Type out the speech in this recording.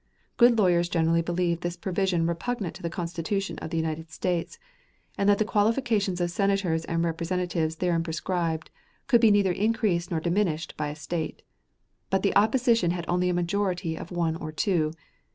Good lawyers generally believed this provision repugnant to the Constitution of the United States, and that the qualifications of Senators and Representatives therein prescribed could be neither increased nor diminished by a State. But the opposition had only a majority of one or two.